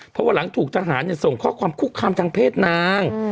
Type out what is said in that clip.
เพราะว่าหลังถูกทหารส่งข้อความคุกคามทางเพศนาง